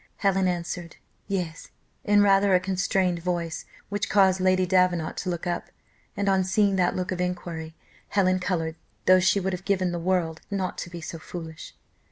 Helen answered "Yes," in rather a constrained voice, which caused Lady Davenant to look up, and on seeing that look of inquiry, Helen coloured, though she would have given the world not to be so foolish.